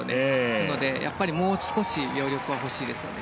なのでもう少し余力は欲しいですよね。